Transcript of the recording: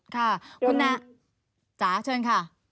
ค่ะคุณนะจ๋าเชิญค่ะ